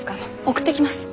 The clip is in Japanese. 送っていきます。